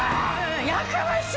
やかましわ！